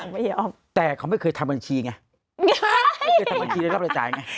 ไม่ยอมแต่เขาไม่เคยทำบัญชีไงไม่เคยทำบัญชีได้รับรายจ่ายไง